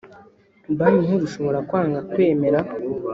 Banki Nkuru ishobora kwanga kwemera